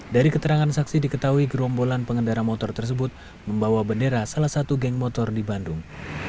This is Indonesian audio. dari keterangan saksi diketahui gerombolan pengendara motor tersebut membawa bendera salah satu geng motor di bandung